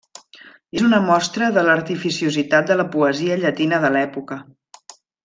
És una mostra de l'artificiositat de la poesia llatina de l'època.